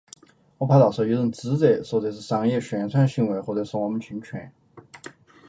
我怕到时候有人指责，说这是商业宣传行为或者说我们侵权